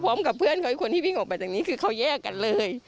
พร้อมกับเพื่อนเขาอีกคนที่วิ่งออกไปจากนี้คือเขาแยกกันเลย